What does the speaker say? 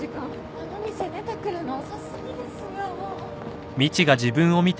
あの店出てくるの遅過ぎですよ。